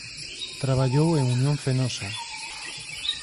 Traballou en Unión Fenosa.